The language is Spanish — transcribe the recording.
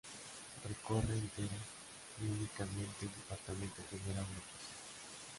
Recorre entera y únicamente el Departamento General López.